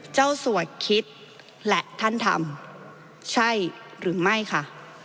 เจ้าสั่วคิดและท่านทำใช่หรือไม่ค่ะ